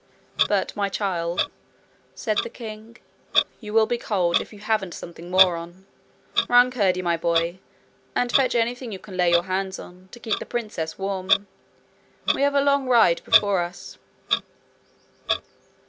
'But, my child,' said the king, 'you will be cold if you haven't Something more on. Run, Curdie, my boy, and fetch anything you can lay your hands on, to keep the princess warm. We have a long ride before us.'